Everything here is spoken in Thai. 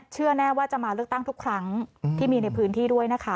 เชื่อแน่ว่าจะมาเลือกตั้งทุกครั้งที่มีในพื้นที่ด้วยนะคะ